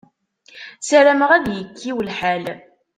Sarameɣ ad yekkiw lḥal.